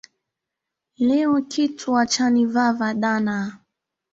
Leo kitwa chanivava dhana